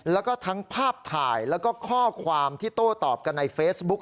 แล้วก็ทั้งภาพถ่ายแล้วก็ข้อความที่โต้ตอบกันในเฟซบุ๊ก